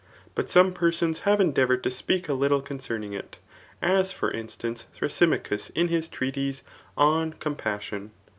But soine persons have endea voured to speak a little concenii|ig it, as for instance, Th^asymachus in his treatise On Compassion.